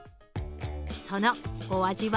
そのお味は